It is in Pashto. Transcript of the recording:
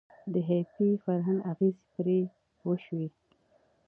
د هیپي فرهنګ اغیز پرې وشو.